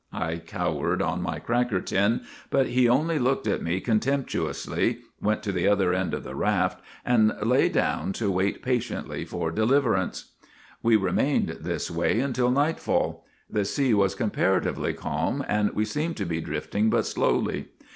I cowered on my cracker tin, but he only looked at me contemptuously, went to the other end of the raft, and lay down to wait patiently for deliver ance. " We remained this way until nightfall. The sea was comparatively calm, and we seemed to be drifting but slowly.